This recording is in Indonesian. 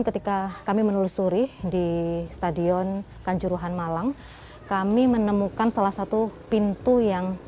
ketika kami menelusuri di stadion kanjuruhan malang kami menemukan salah satu pintu yang